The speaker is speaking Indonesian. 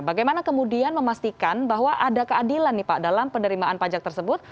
bagaimana kemudian memastikan bahwa ada keadilan nih pak dalam penerimaan pajak tersebut